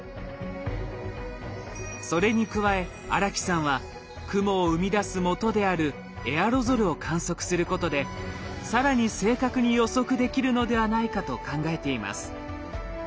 それに加え荒木さんは雲を生み出すもとであるエアロゾルを観測することで更に正確に予測できるのではないかと考えています。